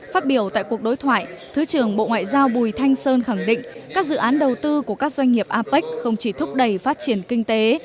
phát biểu tại cuộc đối thoại thứ trưởng bộ ngoại giao bùi thanh sơn khẳng định các dự án đầu tư của các doanh nghiệp apec không chỉ thúc đẩy phát triển kinh tế